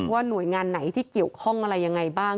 ว่าหน่วยงานไหนที่เกี่ยวข้องอะไรยังไงบ้าง